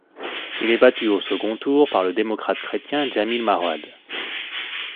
Il est battu au second tour par le démocrate-chrétien Jamil Mahuad.